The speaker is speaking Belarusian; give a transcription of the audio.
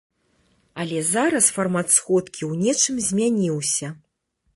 Але зараз фармат сходкі ў нечым змяніўся.